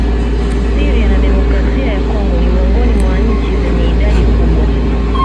Syria na demokrasia ya Kongo ni miongoni mwa nchi zenye idadi kubwa